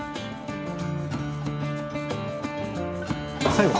最後。